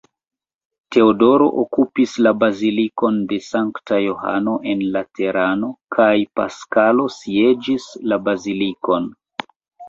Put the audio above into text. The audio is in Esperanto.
Teodoro okupis la Bazilikon de Sankta Johano en Laterano kaj Paskalo sieĝis la bazilikon.